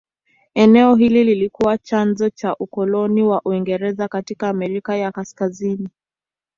Eneo hili lilikuwa chanzo cha ukoloni wa Uingereza katika Amerika ya Kaskazini.